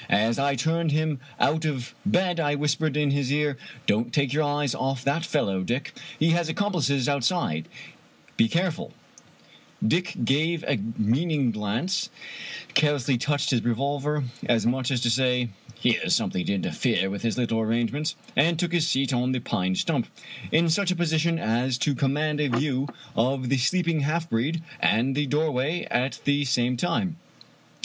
As I turned him out of bed I whispered in his ear :" Don't take your eyes off that fellow, Dick. He has accomplices outside; be care ful 1 " Dick gave a meaning glance, carelessly touched his revolver, as much as to say, " Here's something to interfere with his little arrangements," and took his seat on the pine stump, in such a position as to command a view cf the sleeping half breed and the doorway at the same time.